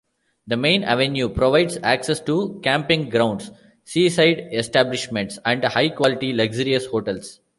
The main avenue provides access to camping grounds, seaside establishments, and high-quality, luxurious hotels.